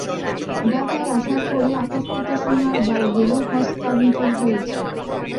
ঢাকায় আসার পথে আকাশপথে সোনার বারগুলো হস্তান্তর হয়েছে।